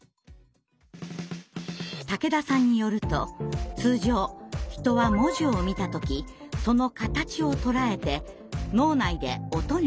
竹田さんによると通常人は文字を見た時その形をとらえて脳内で音に変換。